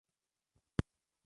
Portugal: Coimbra.